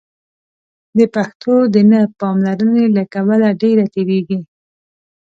د پښتو د نه پاملرنې له کبله ډېره تېرېږي.